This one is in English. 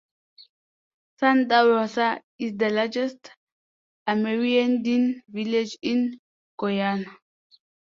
Santa Rosa is the largest Amerindian village in Guyana.